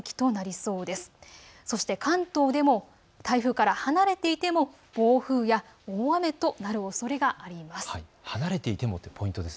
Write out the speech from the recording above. そして関東でも台風から離れていても暴風や大雨となるおそれがあります。